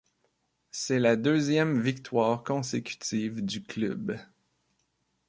C’est la deuxième victoire consécutive du club.